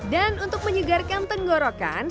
dan untuk menyegarkan tenggorokan